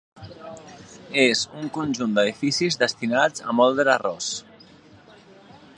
És un conjunt d'edificis destinats a moldre arròs.